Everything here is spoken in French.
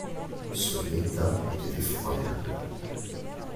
Son état était effroyable.